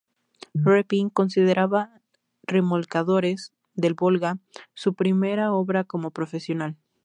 Repin consideraba "Remolcadores del Volga" su primera obra como profesional.